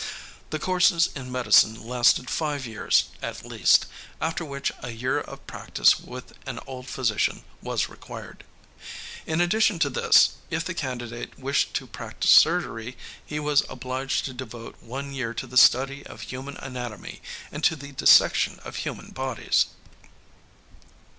The courses in medicine lasted five years, at least, after which a year of practice with an old physician was required. In addition to this, if the candidate wished to practice surgery he was obliged to devote one year to the study of human anatomy and to the dissection of human bodies.